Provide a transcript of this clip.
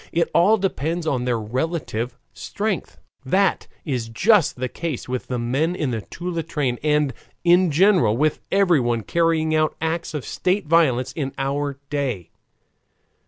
It all depends on their relative strength. That is just the case with the men in the Toula train and in general with everyone carrying out acts of state violence in our day.